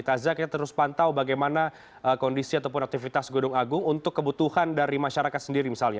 taza kita terus pantau bagaimana kondisi ataupun aktivitas gunung agung untuk kebutuhan dari masyarakat sendiri misalnya